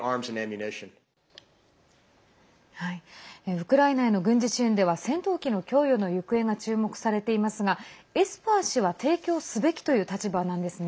ウクライナへの軍事支援では戦闘機の供与の行方が注目されていますがエスパー氏は提供すべきという立場なんですね。